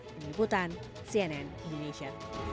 peniputan cnn indonesia